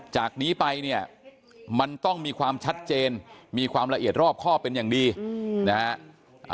จากนี้ไปเนี่ยมันต้องมีความชัดเจนมีความละเอียดรอบครอบเป็นอย่างดีนะฮะ